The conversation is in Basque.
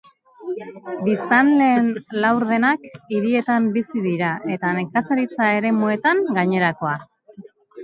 Biztanleen laurdenak hirietan bizi dira, eta nekazaritza-eremuetan gainerakoa.